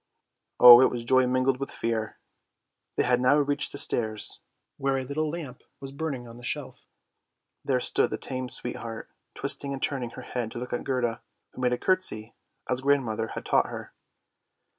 Oh, it was joy mingled with fear. They had now reached the stairs, where a little lamp was burning on a shelf. There stood the tame sweetheart, twisting and turning her head to look at Gerda, who made a curtsey, as grandmother had taught her.